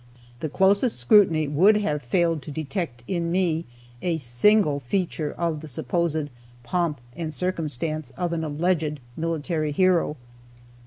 The closest scrutiny would have failed to detect in me a single feature of the supposed "pomp and circumstance" of an alleged military hero.